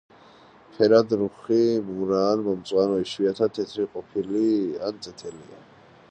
ფერად რუხი, მურა ან მომწვანო, იშვიათად თეთრი, ყვითელი ან წითელია.